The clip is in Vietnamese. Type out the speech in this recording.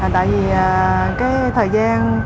tại vì cái thời gian